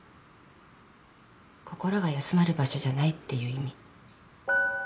心が休まる場所じゃないっていう意味。